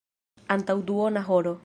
Antaŭ duona horo.